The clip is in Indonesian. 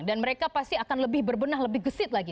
dan mereka pasti akan lebih berbenah lebih gesit lagi